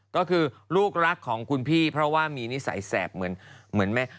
ก็คือลูกรักของคุณพี่เพราะว่ามีนิสัยแสบเหมือนแม่